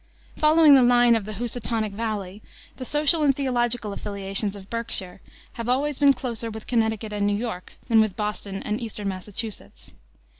Following the line of the Housatonic Valley, the social and theological affiliations of Berkshire have always been closer with Connecticut and New York than with Boston and Eastern Massachusetts.